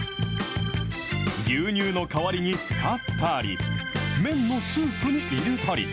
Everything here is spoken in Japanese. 牛乳の代わりに使ったり、麺のスープに入れたり。